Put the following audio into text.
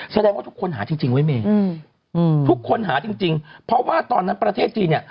แสดงว่าทุกคนหาจริงไว้เมย์ทุกคนหาจริงเพราะว่าตอนนั้นประเทศจีนเนี่ย